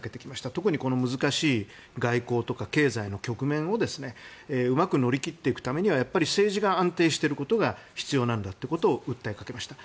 特に、この難しい外交とか経済の局面をうまく乗り切っていくためには政治が安定していることが必要なんだと訴えかけました。